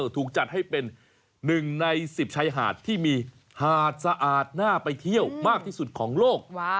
ถูกจัดให้เป็น๑ใน๑๐ชายหาดที่มีหาดสะอาดน่าไปเที่ยวมากที่สุดของโลก